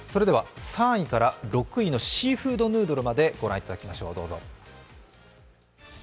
３位から６位のシーフードヌードルまで御覧いただきましょう。